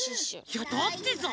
いやだってさ。